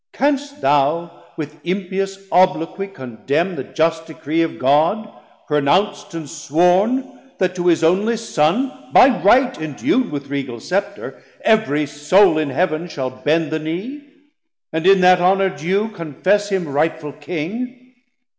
Canst thou with impious obloquie condemne 810 The just Decree of God, pronounc't and sworn, That to his only Son by right endu'd With Regal Scepter, every Soule in Heav'n Shall bend the knee, and in that honour due Confess him rightful King?